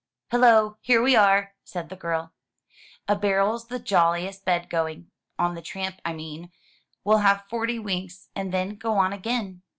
"Hello! here we are!" said the girl. "A barrel's the joUiest bed going — on the tramp, I mean. We'll have forty winks, and then go on again."